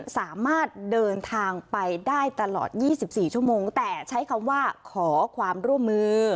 สามารถเดินทางไปได้ตลอด๒๔ชั่วโมงแต่ใช้คำว่าขอความร่วมมือ